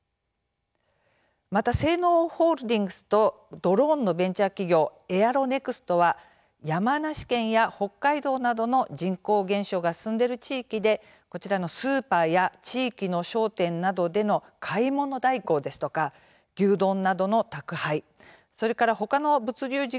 またセイノーホールディングスとドローンのベンチャー企業エアロネクストは山梨県や北海道などの人口減少が進んでいる地域でこちらのスーパーや地域の商店などでの買い物代行ですとか牛丼などの宅配、それから他の物流事業者との共同配送